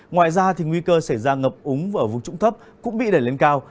ngoài ra thì nguy cơ xảy ra ngập úng ở vùng trụng thấp cũng bị đẩy lên cao